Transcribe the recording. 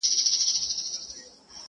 تر رمې ئې سپي ډېر دي.